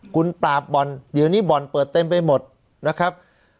คุณปราบบ่อนเดี๋ยวนี้บ่อนเปิดเต็มไปหมดนะครับ